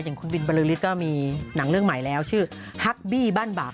คุณบินบริษฐ์ก็มีหนังเรื่องใหม่แล้วชื่อฮักบี้บ้านบาป